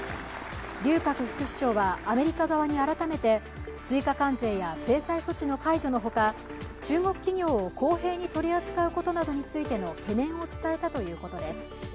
劉鶴副首相はアメリカ側に改めて追加関税や制裁措置の解除のほか中国企業を公平に取り扱うことなどについての懸念を伝えたということです。